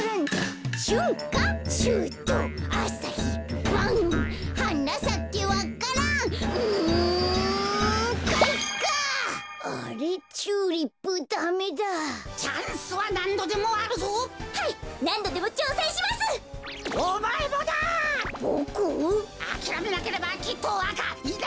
あきらめなければきっとわかいや！